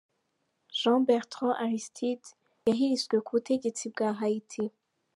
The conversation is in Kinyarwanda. Jean-Bertrand Aristide yahiritswe ku butegetsi bwa Haiti.